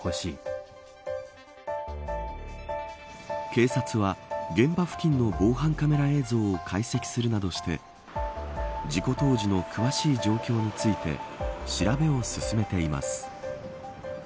警察は現場付近の防犯カメラ映像を解析するなどして事故当時の詳しい状況について調べを進めています。